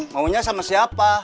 maunya sama siapa